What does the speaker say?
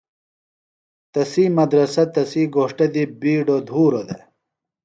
تسی مدرسہ تسی گھوݜٹہ دی بِیڈوۡ دُھورہ دےۡ۔